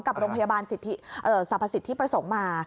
กับโรงพยาบาลสรรพสิทธิประสงค์มา